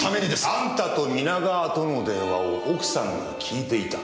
あんたと皆川との電話を奥さんが聞いていた。